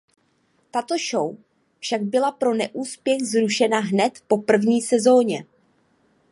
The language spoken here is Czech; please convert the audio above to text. Tato show však byla pro neúspěch zrušena hned po první sezóně.